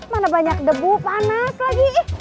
mana banyak debu panas lagi